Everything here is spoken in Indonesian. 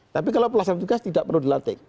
tapi kalau pelaksanaan tugas tidak perlu dilantik